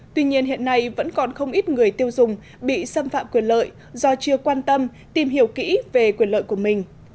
tuy nhiên hiện nay vẫn còn không ít người tiêu dùng bị xâm phạm quyền lợi do chưa quan tâm tìm hiểu kỹ về quyền lợi của mình